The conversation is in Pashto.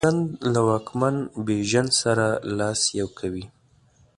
د سمرقند له واکمن بیژن سره لاس یو کوي.